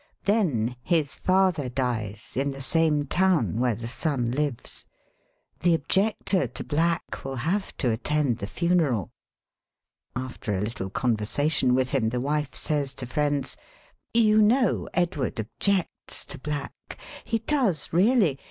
Then his father dies, in the same town where the son lives ; the objector to black will have to attend the funeraL After a little conversation with him the wife says to friends : ^^You know Edward objects to black. He does really.